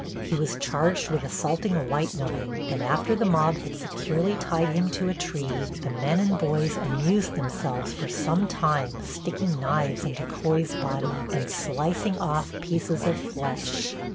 He was charged with assaulting a white woman, and after the mob had securely tied him to a tree, the men and boys amused themselves for some time sticking knives into Coy's body and slicing off pieces, of flesh.